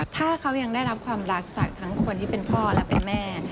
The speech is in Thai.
ถ้าเขายังได้รับความรักจากทั้งคนที่เป็นพ่อและเป็นแม่